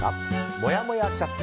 もやもやチャット。